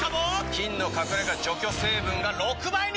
菌の隠れ家除去成分が６倍に！